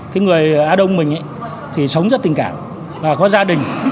cái người á đông mình ấy thì sống rất tình cảm và có gia đình